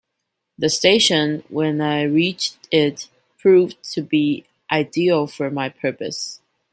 The station, when I reached it, proved to be ideal for my purpose.